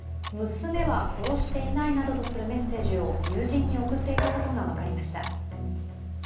娘は殺していないなどとするメッセージを友人に送っていたことが分かりました。